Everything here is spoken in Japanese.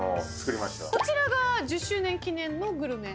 こちらが１０周年記念のグルメ？